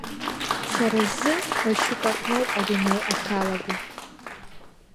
Сара сзы Машьука аҟноуп адунеи ахьалаго.